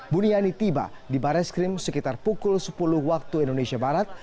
buniani tiba di bareskrim sekitar pukul sepuluh waktu indonesia barat